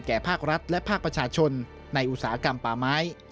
ภาครัฐและภาคประชาชนในอุตสาหกรรมป่าไม้